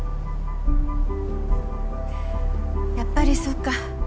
やっぱりそっか。